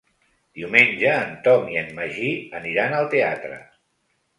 Diumenge en Tom i en Magí aniran al teatre.